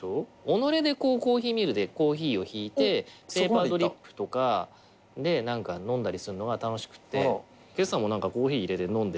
己でこうコーヒーミルでコーヒーをひいてペーパードリップとかで飲んだりするのが楽しくて今朝もコーヒー入れて飲んで。